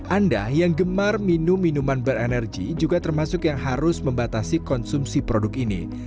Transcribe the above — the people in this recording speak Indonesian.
anda yang gemar minum minuman berenergi juga termasuk yang harus membatasi konsumsi produk ini